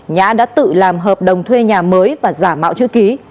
nhã đã tự làm hợp đồng thuê nhà mới và giả mạo chữ ký